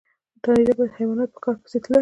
نارینه به د حیواناتو په ښکار پسې تلل.